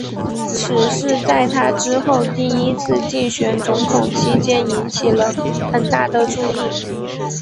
此事在他之后第一次竞选总统期间引起了很大的注意。